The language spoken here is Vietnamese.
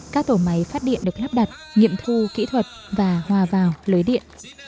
các tổ máy phát điện được lắp đặt nghiệm thu kỹ thuật và hòa vào lưới điện